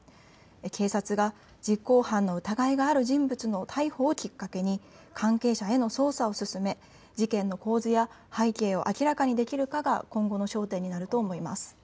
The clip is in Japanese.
警察が実行犯の疑いがある人物の逮捕をきっかけに関係者への捜査を進め事件の構図や背景を明らかにできるかが今後の焦点となると見られます。